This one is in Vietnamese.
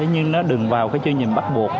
nhưng nó đừng vào cái chuyên nhìn bắt buộc